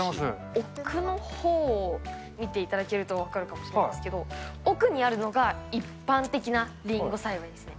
奥のほう、見ていただけると分かるかもしれないんですけど、奥にあるのが一般的なりんご栽培ですね。